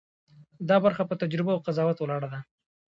دا برخه په تجربه او قضاوت ولاړه ده.